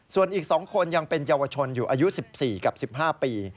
ส่วนอีก๒คนยังเป็นเยาวชนอยู่อายุ๑๔กับ๑๕ปี